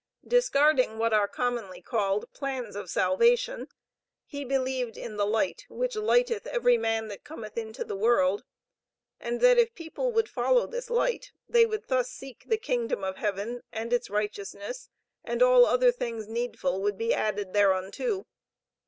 Discarding what are commonly called "plans of salvation," he believed in the light "which lighteth every man that cometh into the world," and that if people would follow this light, they would thus seek "the kingdom of Heaven and its righteousness and all other things needful would be added thereunto."